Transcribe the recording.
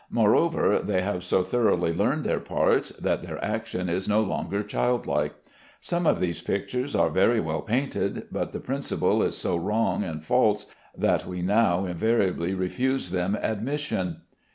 Moreover, they have so thoroughly learned their parts that their action is no longer childlike. Some of these pictures are very well painted, but the principle is so wrong and false that we now invariably refuse them admission.